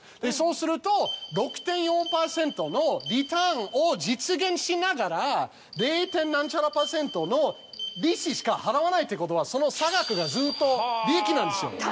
そうすると６．４％のリターンを実現しながら０．何ちゃら％の利子しか払わないってことはその差額がずっと利益なんですよ。